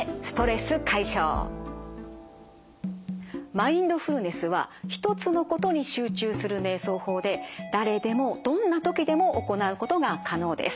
マインドフルネスは１つのことに集中するめい想法で誰でもどんな時でも行うことが可能です。